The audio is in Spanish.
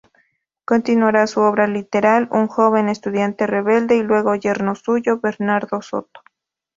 Continuará su obra liberal un joven estudiante rebelde, y luego yerno suyo, Bernardo Soto.